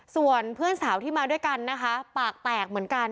ส่วนเพื่อนสาวที่มาด้วยกันนะคะปากแตกเหมือนกัน